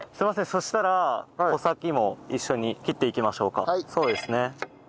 そしたら穂先も一緒に切っていきましょうか。